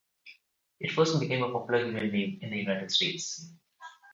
It first became a popular given name in the United States.